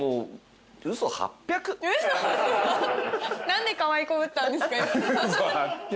何でかわい子ぶったんですか。